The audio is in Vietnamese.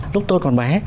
lúc tôi còn bé